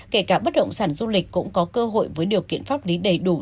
kể cả bất động sản du lịch cũng có cơ hội với điều kiện pháp lý đầy đủ